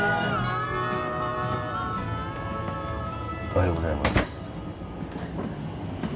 おはようございます。